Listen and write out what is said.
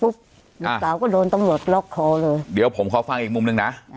ลูกสาวก็โดนตำรวจล็อกคอเลยเดี๋ยวผมขอฟังอีกมุมหนึ่งนะ